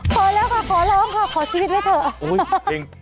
ขอแล้วค่ะขอร้องค่ะขอชีวิตไว้เถอะ